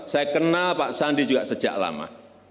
saya kenal pak sandi juga sejak lama